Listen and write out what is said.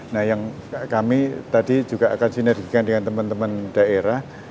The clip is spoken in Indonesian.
nah yang kami tadi juga akan sinergikan dengan teman teman daerah